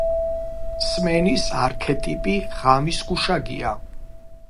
სმენის არქეტიპი ღამის გუშაგია